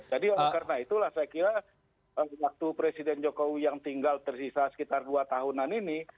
jadi karena itulah saya kira waktu presiden jokowi yang tinggal tersisa sekitar dua tahunan ini